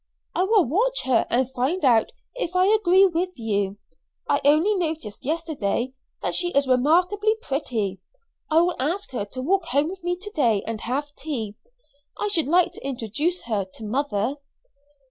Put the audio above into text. I will watch her and find out if I agree with you. I only noticed yesterday that she is remarkably pretty. I will ask her to walk home with me to day and have tea. I should like to introduce her to mother."